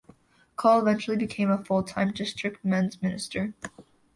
Cole eventually became a full-time district men's minister.